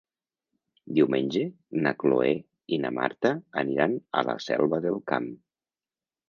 Diumenge na Cloè i na Marta aniran a la Selva del Camp.